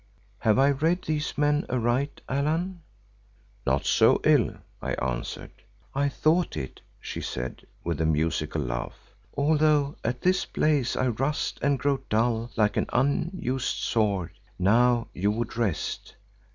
Have I read these men aright, Allan?" "Not so ill," I answered. "I thought it," she said with a musical laugh, "although at this place I rust and grow dull like an unused sword. Now you would rest.